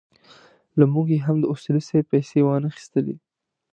له موږ یې هم د اصولي صیب پېسې وانخيستلې.